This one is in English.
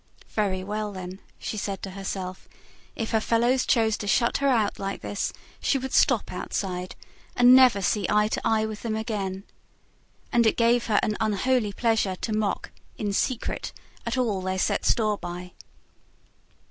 Very well then, she said to herself: if her fellows chose to shut her out like this, she would stop outside, and never see eye to eye with them again. And it gave her an unholy pleasure to mock, in secret, at all they set store by.